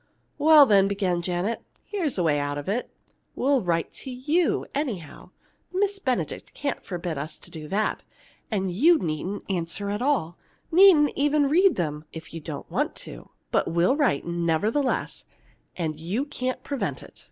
"Well, then," began Janet, "here's a way out of it. We will write to you anyway. Miss Benedict can't forbid us to do that, and you needn't answer at all needn't even read them, if you don't want to. But we'll write, nevertheless, and you can't prevent it!"